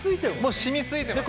もう染みついてます